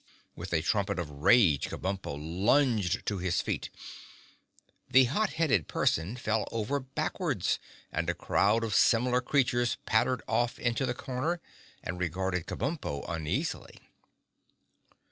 With a trumpet of rage Kabumpo lunged to his feet. The hot headed person fell over backwards and a crowd of similar creatures pattered off into the corner and regarded Kabumpo uneasily.